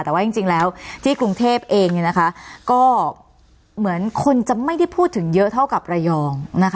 แต่ว่าจริงแล้วที่กรุงเทพเองก็เหมือนคนจะไม่ได้พูดถึงเยอะเท่ากับระยอง